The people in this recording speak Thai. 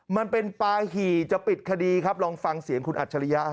มันเป็นปลาหี่จะปิดคดีครับลองฟังเสียงคุณอัจฉริยะ